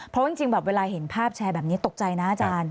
เพราะจริงแบบเวลาเห็นภาพแชร์แบบนี้ตกใจนะอาจารย์